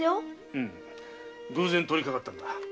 うむ偶然通りかかったのだ。